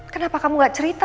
kenapa kamu gak ceritakan